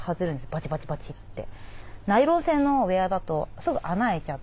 バチバチバチって。